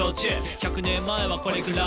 「１００年前はこれぐらい」